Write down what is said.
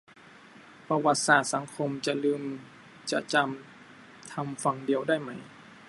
ประวัติศาสตร์สังคม จะลืมจะจำ ทำฝั่งเดียวได้ไหม